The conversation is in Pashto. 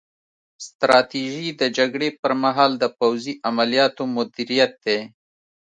ستراتیژي د جګړې پر مهال د پوځي عملیاتو مدیریت دی